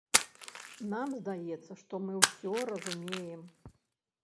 Нам здаецца, што мы ўсё разумеем.